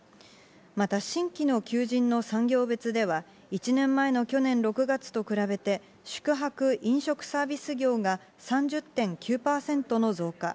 また新規の求人の産業別では、１年前の去年６月と比べて宿泊・飲食サービス業が３０．９％の増加。